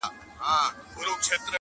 ما خالي انګړ ته وکړل له ناکامه سلامونه!.